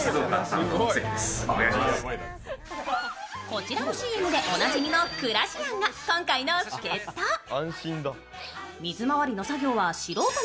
こちらのＣＭでおなじみのクラシアンが今回の助っ人。